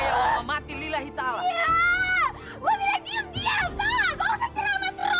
wa ma'a mati lillahi ta'ala ya gue bilang diem diem salah gua usah ceramah terus